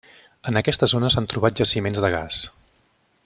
En aquesta zona s'han trobat jaciments de gas.